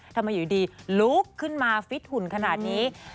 ทำไมอยู่ดีลุกขึ้นมาฟิตหุ่นขนาดนี้